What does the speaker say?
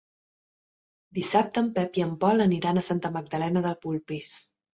Dissabte en Pep i en Pol aniran a Santa Magdalena de Polpís.